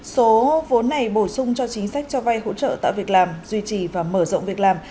số vốn này bổ sung cho chính sách cho vay hỗ trợ tạo việc làm duy trì và mở rộng việc làm